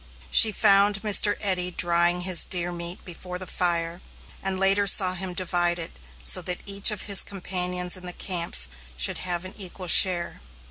She found Mr. Eddy drying his deer meat before the fire, and later saw him divide it so that each of his companions in the camps should have an equal share.